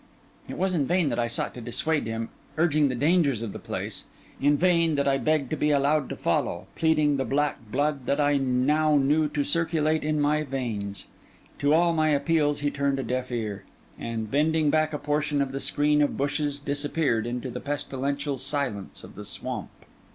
It was in vain that I sought to dissuade him, urging the dangers of the place; in vain that I begged to be allowed to follow, pleading the black blood that I now knew to circulate in my veins: to all my appeals he turned a deaf ear, and, bending back a portion of the screen of bushes, disappeared into the pestilential silence of the swamp.